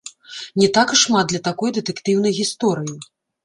Не так і шмат для такой дэтэктыўнай гісторыі.